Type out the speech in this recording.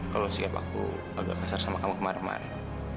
kalo sikap aku agak kasar sama kamu kemarin kemarin